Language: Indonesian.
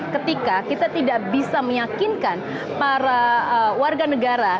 ketika kita tidak bisa meyakinkan para warga negara